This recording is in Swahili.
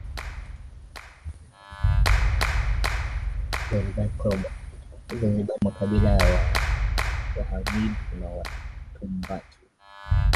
Zanzibar kuna makabila ya Wahamidu na Watumbatu